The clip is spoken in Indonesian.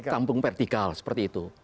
kampung vertikal seperti itu